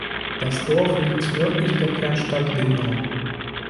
Das Dorf liegt nördlich der Kernstadt Lindau.